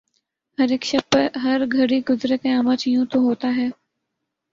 ہر اک شب ہر گھڑی گزرے قیامت یوں تو ہوتا ہے